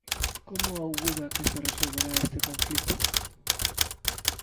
Como augura que se resolverá este conflito?